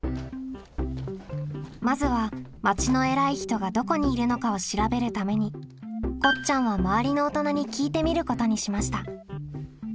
まずは町のえらい人がどこにいるのかを調べるためにこっちゃんは「まわりの大人に聞いてみる」ことにしました。